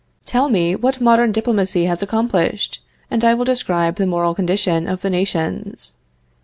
Tell me what modern diplomacy has accomplished, and I will describe the moral condition of the nations.